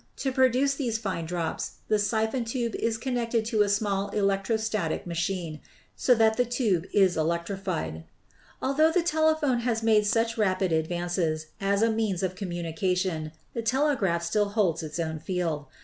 To pro duce these fine drops the siphon tube is connected to a small electrostatic machine, so that the tube is electrified. Altho the telephone has made such rapid advances as a means of communication, the telegraph still holds its own field.